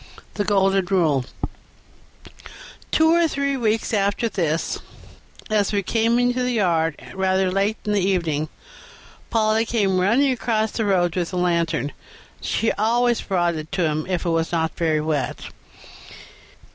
37 The Golden Rule Two or three weeks after this, as we came into the yard rather late in the evening, Polly came running across the road with the lantern (she always brought it to him if it was not very wet).